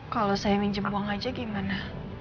kalau saya minjem uang aja gimana